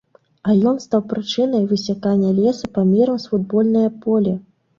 А ён стаў прычынай высякання лесу памерам з футбольнае поле.